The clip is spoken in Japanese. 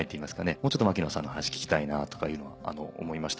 もうちょっと槙野さんの話聞きたいなというのは思いました。